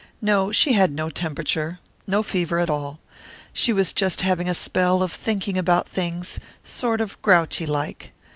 No; she had no temperature. No fever at all. She was just having a spell of thinking about things, sort of grouchy like.